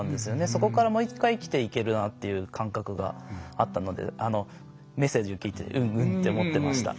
そこからもう一回生きていけるなっていう感覚があったのでメッセージを聞いててうんうんって思ってました。